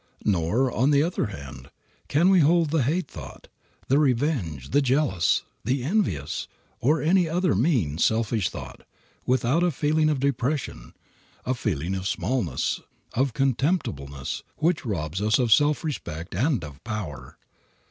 Nor, on the other hand, can we hold the hate thought, the revenge, the jealous, the envious, or any other mean, selfish thought, without a feeling of depression, a feeling of smallness, of contemptibleness, which robs us of self respect and of power.